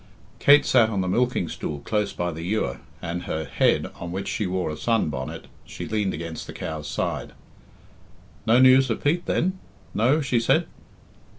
Kate sat on the milking stool close by the ewer, and her head, on which she wore a sun bonnet, she leaned against the cow's side. "No news of Pete, then? No?" she said.